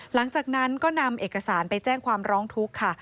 หลังจากนั้นก็นำเอกสารไปแจ้งความร้องทุกข์ค่ะ